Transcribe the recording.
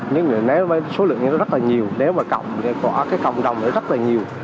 nhưng nếu với số lượng rất là nhiều nếu mà cộng với cộng đồng rất là nhiều